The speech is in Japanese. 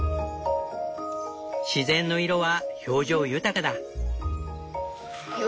自然の色は表情豊かだ。